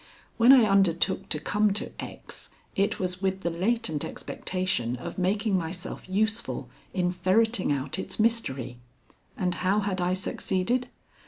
When I undertook to come to X., it was with the latent expectation of making myself useful in ferreting out its mystery. And how had I succeeded?